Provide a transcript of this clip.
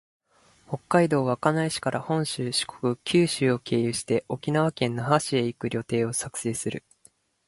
北海道稚内市から本州、四国、九州を経由して、沖縄県那覇市へ行く旅程を作成する